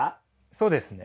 そうですね。